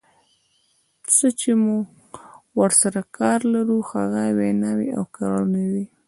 څه چې موږ ورسره کار لرو هغه ویناوې او کړنې دي.